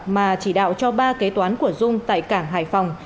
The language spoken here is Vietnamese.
mà chỉ đạo cho ba kế toán của dung tại cảng hải phòng